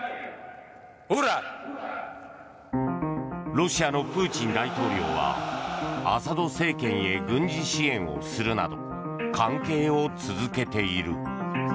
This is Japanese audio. ロシアのプーチン大統領はアサド政権へ軍事支援をするなど関係を続けている。